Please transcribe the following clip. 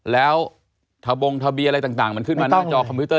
แล้วทะบงทะเบียนอะไรต่างมันขึ้นมาหน้าจอคอมพิวเต